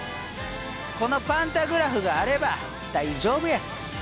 このパンタグラフがあれば大丈夫や！